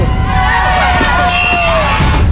ได้